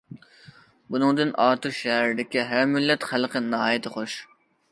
بۇنىڭدىن ئاتۇش شەھىرىدىكى ھەر مىللەت خەلقى ناھايىتى خۇش.